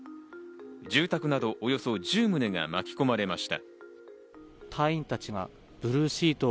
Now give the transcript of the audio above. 住宅などおよそ１０棟が巻き込まれました。